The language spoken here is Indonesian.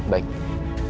baik pak baik